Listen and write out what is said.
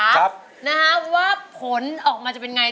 นะครับว่าผลออกมาจะเป็นไง